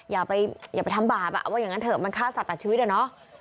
อย่าไปทำบาปว่าอย่างนั้นเถอะมันฆ่าสัตว์ชีวิตอะเนาะ